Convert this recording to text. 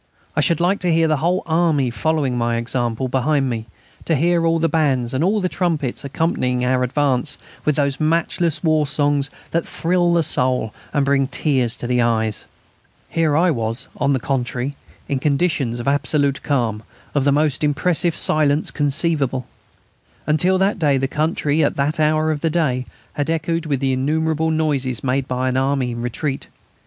I should like to hear the whole army following my example behind me, to hear all the bands and all the trumpets accompanying our advance with those matchless war songs which thrill the soul and bring tears to the eyes. Here I was, on the contrary, in conditions of absolute calm, of the most impressive silence conceivable. Until that day the country, at that hour of the day, had echoed with the innumerable noises made by an army in retreat.